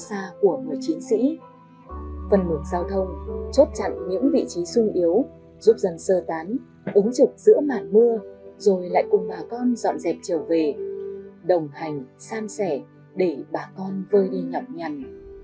xa của người chiến sĩ phần ngược giao thông chốt chặn những vị trí sung yếu giúp dân sơ tán ứng trục giữa mạt mưa rồi lại cùng bà con dọn dẹp trở về đồng hành san sẻ để bà con vơi đi nhọc nhằn